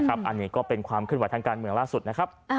อันนี้ก็เป็นความขึ้นไหวทางการเมืองล่าสุดนะครับ